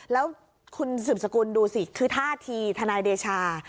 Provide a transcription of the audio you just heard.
แล้วคุณสืบสกุลดูสิคือท่าทีทนายเดชา